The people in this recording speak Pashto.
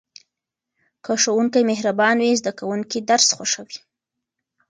که ښوونکی مهربان وي زده کوونکي درس خوښوي.